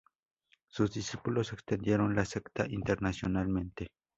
Sus discípulos extendieron la secta internacionalmente.